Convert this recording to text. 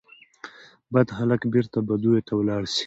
بد هلک بیرته بدیو ته ولاړ سي